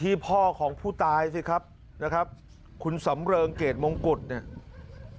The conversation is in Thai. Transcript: พ่อของผู้ตายสิครับนะครับคุณสำเริงเกรดมงกุฎเนี่ย